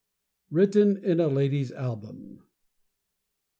WRITTEN IN A LADY'S ALBUM.